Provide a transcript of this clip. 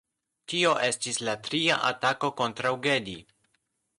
Tio estis la tria atako kontraŭ Gedi.